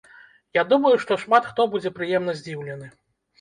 Я думаю, што шмат хто будзе прыемна здзіўлены.